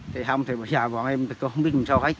thì không bọn em không biết làm sao hết